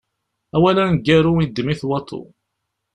Awal aneggaru iddem-it waḍu.